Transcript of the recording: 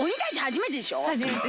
初めてでしょう？